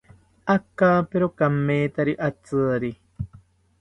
Akapero kamethari atziri